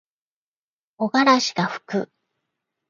木枯らしがふく。